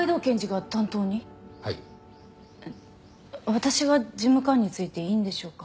私が事務官についていいんでしょうか？